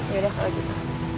yaudah kalau gitu